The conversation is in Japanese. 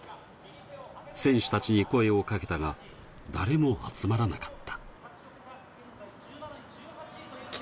選手たちに声をかけたが、誰も集まらなかった。